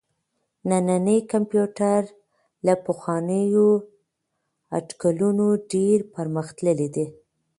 نننی کمپيوټر له پخوانيو اټکلونو ډېر پرمختللی دی.